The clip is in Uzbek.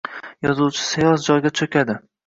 Yozuvchi sayoz joyda cho’kadi.